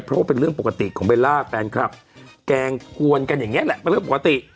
เพราะว่าเป็นเรื่องปกติของเบลล่าแฟนคลับแกล้งกวนกันอย่างนี้แหละเป็นเรื่องปกติ